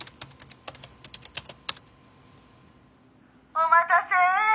「お待たせ。